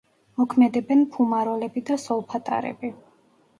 მოქმედებენ ფუმაროლები და სოლფატარები.